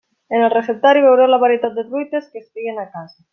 En el receptari veureu la varietat de truites que es feien a casa.